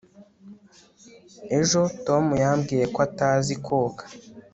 ejo, tom yambwiye ko atazi koga